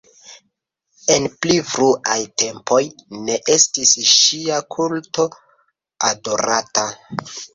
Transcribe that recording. En pli fruaj tempoj ne estis ŝia kulto adorata.